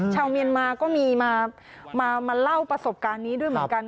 ชาวเมียนมาก็มีมาเล่าประสบการณ์นี้ด้วยเหมือนกัน